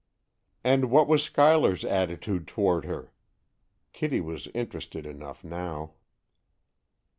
"And what was Schuyler's attitude toward her?" Kitty was interested enough now.